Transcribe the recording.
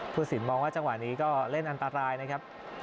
ผู้สินมองว่าจังหวะนี้ก็เล่นอันตรายนะครับ